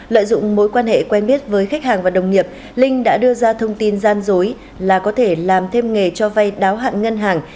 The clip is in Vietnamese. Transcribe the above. lợi dụng mối quan hệ quen biết với khách hàng và đồng nghiệp linh đã đưa ra thông tin gian dối là có thể làm thêm nghề cho vay đáo hạn ngân hàng